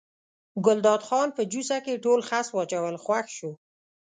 ګلداد خان په جوسه کې ټول خس واچول خوښ شو.